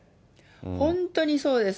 本当にそうです。